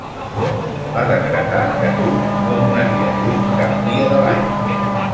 Va decretar que Nut no donaria a llum cap dia de l'any.